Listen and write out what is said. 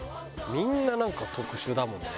みんななんか特殊だもんね。